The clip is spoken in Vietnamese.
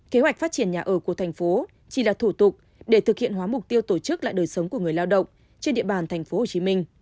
kế hoạch phát triển nhà ở của thành phố chỉ là thủ tục để thực hiện hóa mục tiêu tổ chức lại đời sống của người lao động trên địa bàn tp hcm